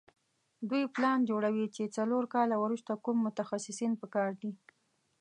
دوی پلان جوړوي چې څلور کاله وروسته کوم متخصصین په کار دي.